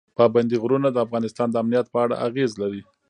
پابندي غرونه د افغانستان د امنیت په اړه اغېز لري.